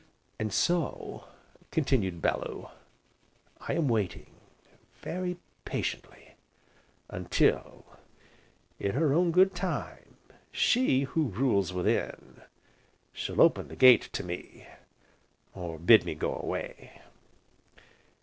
"And so," continued Bellew, "I am waiting, very patiently, until, in her own good time, she who rules within, shall open the gate to me, or bid me go away."